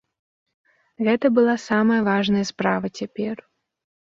Гэта была самая важная справа цяпер.